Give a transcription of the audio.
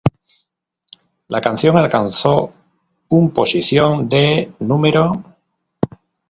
La canción alcanzó un posición de No.